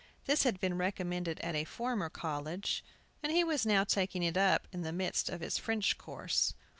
This had been recommended at a former college, and he was now taking it up in the midst of his French course.